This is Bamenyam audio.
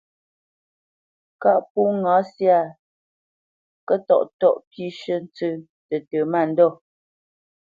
Kâʼ pó ŋǎ syâ, kə́tɔ́ʼtɔ́ʼ pî shʉ̂, ntsə́ tətə mândɔ̂,